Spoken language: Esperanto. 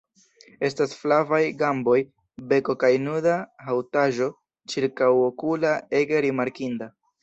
Estas flavaj gamboj, beko kaj nuda haŭtaĵo ĉirkaŭokula ege rimarkinda.